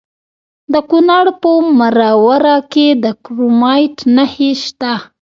د کونړ په مروره کې د کرومایټ نښې شته.